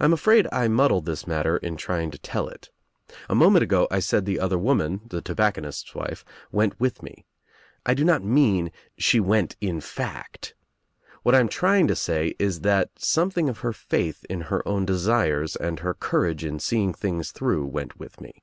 I am afraid I muddle this matter in trying to tell it. A moment ago I said the other woman, the tobacconist's wife, went with me. I do not mean she went in fact. What I am trying to say is that something of her faith in her own desires and her courage in seeing things through went with me.